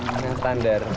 ini yang besar